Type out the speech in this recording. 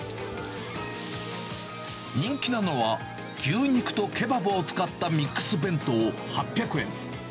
人気なのは、牛肉とケバブを使ったミックス弁当８００円。